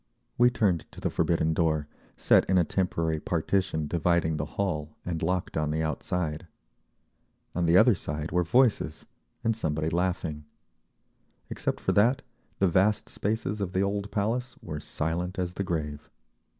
We turned to the forbidden door, set in a temporary partition dividing the hall and locked on the outside. On the other side were voices, and somebody laughing. Except for that the vast spaces of the old Palace were silent as the grave.